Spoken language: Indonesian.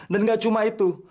dan nggak cuma itu